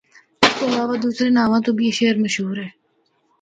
اس تو علاوہ دوسرے ناواں تو بھی اے شہر مشہور ہے۔